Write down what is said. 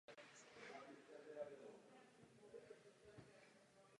Do vývoje řádu svatého Lazara zásadním způsobem zasáhla francouzská revoluce.